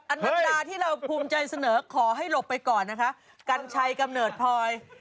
นัดเดทกับอันนราที่เราภูมิใจเสนอขอให้หลบไปก่อนนะครับกัณฑ์ชายกำเนิดปลอย